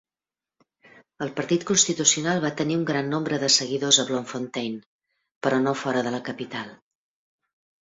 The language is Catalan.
El partit constitucional va tenir un gran nombre de seguidors a Bloemfontein, però no fora de la capital.